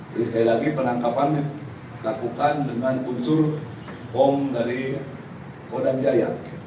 terus sekali lagi penangkapan dilakukan dengan unsur pom dari kudang jaya